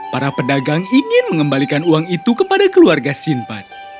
para pedagang ingin mengembalikan uang itu kepada keluarga simpan